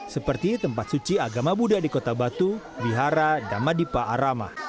seperti tempat suci agama buddha di kota batu wihara dama dipa arama